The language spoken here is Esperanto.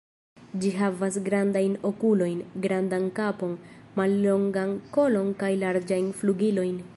Ĝi havas grandajn okulojn, grandan kapon, mallongan kolon kaj larĝajn flugilojn.